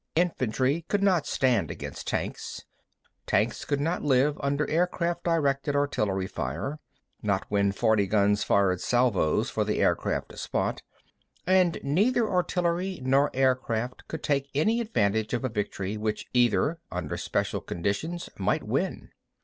Infantry could not stand against tanks, tanks could not live under aircraft directed artillery fire—not when forty guns fired salvos for the aircraft to spot—and neither artillery nor aircraft could take any advantage of a victory which either, under special conditions, might win.